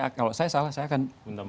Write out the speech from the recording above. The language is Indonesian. kalau saya salah saya akan undang